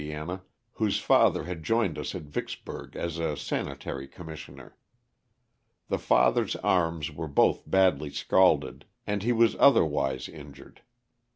whose father had joined us at Vicks burg as a Sanitary Commissioner. The father's arms were both badly scalded, and he was otherwise injured.